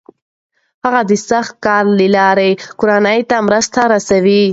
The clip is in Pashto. هغه د سخت کار له لارې کورنۍ ته مرسته رسوي.